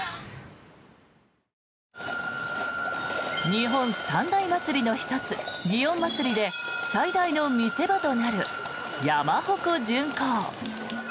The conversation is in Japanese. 日本三大祭りの１つ、祇園祭で最大の見せ場となる山鉾巡行。